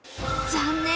残念！